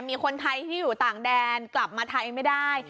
มีคนไทยที่อยู่ต่างแดนกลับมาไทยไม่ได้